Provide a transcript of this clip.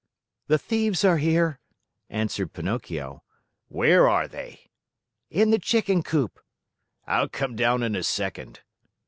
"The thieves are here," answered Pinocchio. "Where are they?" "In the chicken coop." "I'll come down in a second."